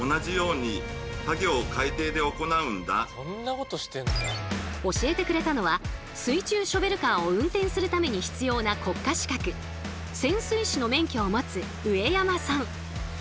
この重機を使って教えてくれたのは水中ショベルカーを運転するために必要な国家資格潜水士の免許を持つ上山さん。